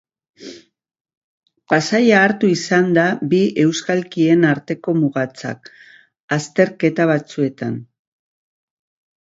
Pasaia hartu izan da bi euskalkien arteko mugatzat, azterketa batzuetan.